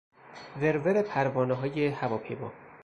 ور ور پروانههای هواپیما